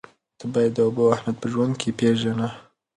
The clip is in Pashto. ته باید د اوبو اهمیت په ژوند کې پېژنه.